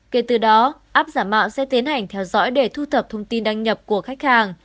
kể từ đó app giả mạo sẽ tiến hành theo dõi để thu thập thông tin đăng nhập của khách hàng